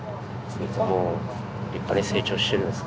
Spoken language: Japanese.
もう立派に成長してるんです。